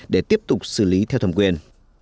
để tiếp tục xử lý theo thẩm quyền